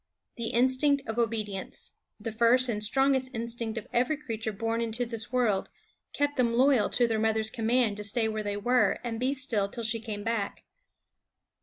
The instinct of obedience the first and strongest instinct of every creature born into this world kept ~ them loyal to the mother's command to stay where they were and be still till she came back.